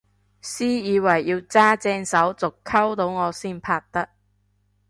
私以為要揸正手續溝到我先拍得